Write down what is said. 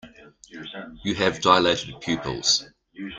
You have dilated pupils.